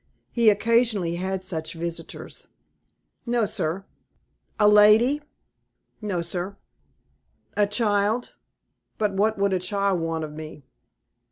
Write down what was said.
He occasionally had such visitors. "No, sir." "A lady?" "No, sir." "A child? But what could a child want of me?"